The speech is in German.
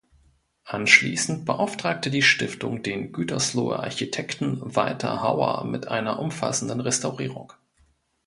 Anschließend beauftragte die Stiftung den Gütersloher Architekten Walter Hauer mit einer umfassenden Restaurierung.